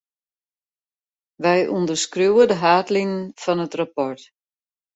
Wy ûnderskriuwe de haadlinen fan it rapport.